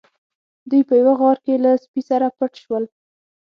دوی په یوه غار کې له سپي سره پټ شول.